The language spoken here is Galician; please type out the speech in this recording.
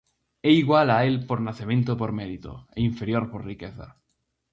É igual a el por nacemento e por mérito, e inferior por riqueza.